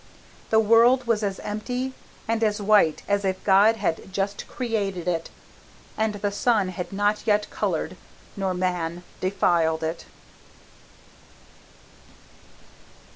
The world was as empty and as white as if God had just created it, and the sun had not yet colored nor man defiled it.